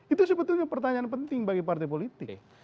itu sebetulnya pertanyaan penting bagi partai politik